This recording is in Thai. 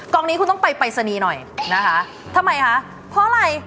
นี้คุณต้องไปปรายศนีย์หน่อยนะคะทำไมคะเพราะอะไร